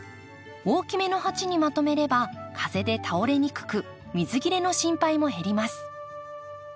大きめの鉢にまとめれば風で倒れにくく水切れの心配も減ります。